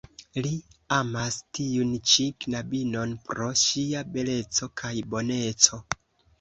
Li amas tiun ĉi knabinon pro ŝia beleco kaj boneco.